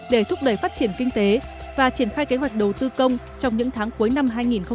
để thúc đẩy phát triển kinh tế và triển khai kế hoạch đầu tư công trong những tháng cuối năm hai nghìn hai mươi